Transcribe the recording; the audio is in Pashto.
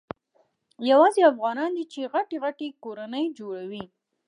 یوازي افغانان دي چي غټي غټي کورنۍ جوړوي.